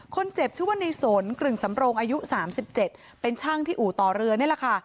คนเจ็บชื่อว่าในสนกลึ่งสำโรงอายุ๓๗เป็นช่างที่อู่ต่อเรือนี่แหละค่ะ